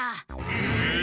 え。